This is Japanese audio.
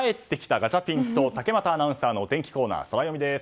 ガチャピンと竹俣アナウンサーのお天気コーナー、ソラよみです。